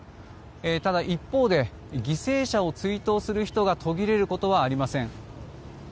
ただ、一方で犠牲者を追悼する人が途切れることはありません。